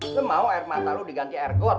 lu mau air mata lu diganti air got